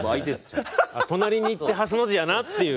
隣に行ってハスの字やなっていう。